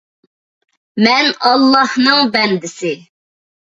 مەن ئاللاھنىڭ بەندىسى